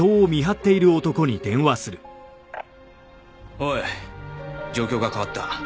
おい状況が変わった。